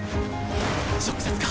直接か？